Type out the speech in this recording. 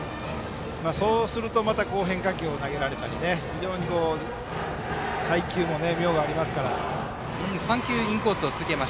そうすると、また変化球を投げられたり非常に配球も妙がありますから。